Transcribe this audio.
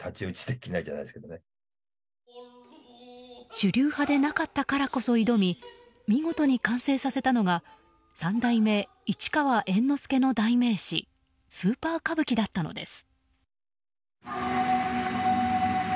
主流派でなかったからこそ挑み見事に完成させたのが三代目市川猿之助の代名詞「スーパー歌舞伎」だったのです。